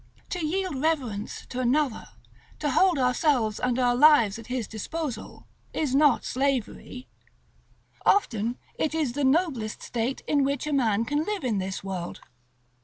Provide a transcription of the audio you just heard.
To yield reverence to another, to hold ourselves and our lives at his disposal, is not slavery; often, it is the noblest state in which a man can live in this world.